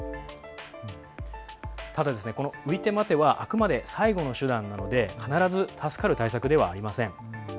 ただ、この浮いて待てはあくまで最後の手段なので必ず助かる対策ではありません。